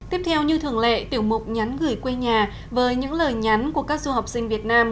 tiếp theo như thường lệ tiểu mục nhắn gửi quê nhà với những lời nhắn của các du học sinh việt nam